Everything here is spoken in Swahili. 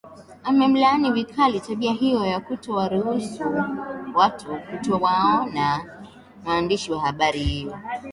amelaani vikali tabia hiyo ya kutowaruhusu watu kutowaona waandishi wa habari hao